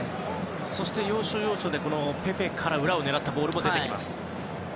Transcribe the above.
そして要所要所でペペから裏を狙ったボールも出てきます。